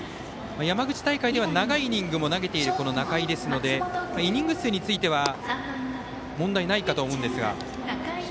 山口大会では長いイニングも投げている仲井ですのでイニング数については問題ないかとは思うんですが。